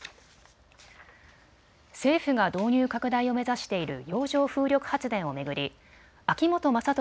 政府が導入拡大を目指している洋上風力発電を巡り秋本真利